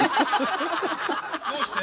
どうして？